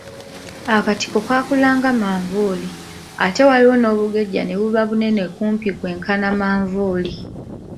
Akatiko kaakula nga manvuuli, ate waliwo n’obugejja ne buba bunene kumpi kwenkana manvuuli.